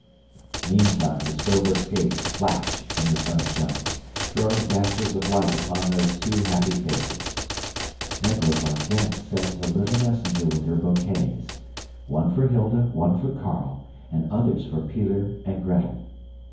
Meantime the silver skates flash in the sunshine, throwing dashes of light upon those two happy faces. Mevrouw van Gend sends a little messenger with her bouquets. One for Hilda, one for Carl, and others for Peter and Gretel.